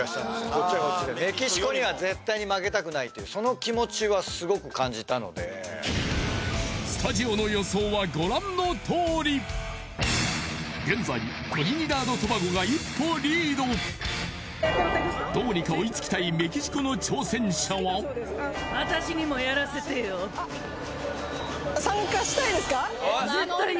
こっちはこっちでというその気持ちはすごく感じたのでスタジオの予想はご覧のとおり現在トリニダード・トバゴが一歩リードどうにか追いつきたいメキシコの挑戦者はあっ参加したいですか？